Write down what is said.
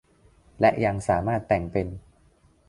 และยังสามารถแต่งเป็น